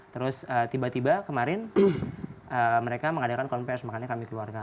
terus tiba tiba kemarin mereka mengadakan konversi makanya kami keluarga